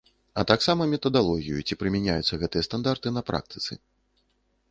А таксама метадалогію, ці прымяняюцца гэтыя стандарты на практыцы.